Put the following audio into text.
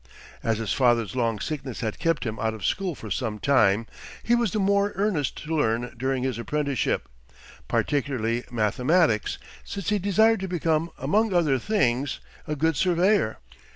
As his father's long sickness had kept him out of school for some time, he was the more earnest to learn during his apprenticeship; particularly mathematics, since he desired to become, among other things, a good surveyor.